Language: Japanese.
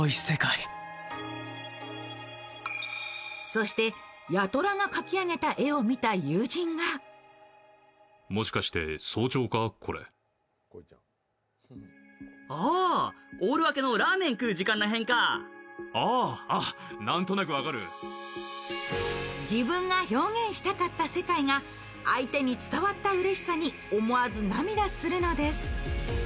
そして、八虎が描き上げた絵を見た友人が自分が表現したかった世界が相手に伝わったうれしさに思わず涙するのです。